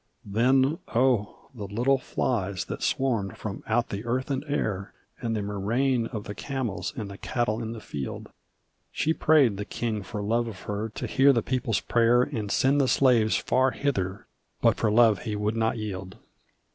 Then oh, the little flies that swarmed from out the earth and air! And the murrain of the camels, and cattle in the field! She prayed the king for love of her to hear the people's prayer And send the slaves far hither; but for love he would not yield.